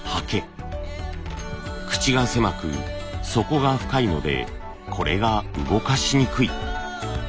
口が狭く底が深いのでこれが動かしにくい。